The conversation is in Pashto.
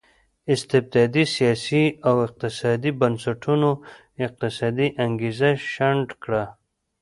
استبدادي سیاسي او اقتصادي بنسټونو اقتصادي انګېزه شنډه کړه.